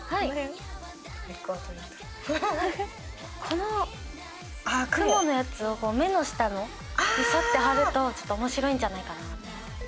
この、クモのやつを目の下にそって貼ると面白いんじゃないかな。